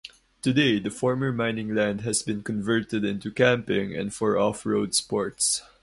Today the former mining land has been converted into camping and for off-road sports.